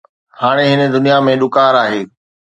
هاڻي هن دنيا ۾ ڏڪار آهي